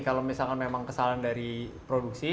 kalau misalkan memang kesalahan dari produksi